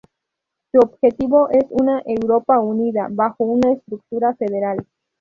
Su objetivo es una Europa unida bajo una estructura federal.